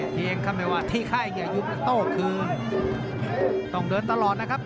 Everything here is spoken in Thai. เดี๋ยวข้ายอย่ายุบแล้วโตขึ้นต้องเดินตลอดนะครับ